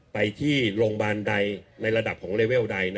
ไปที่โรงพยาบาลใดในระดับของเลเวลใด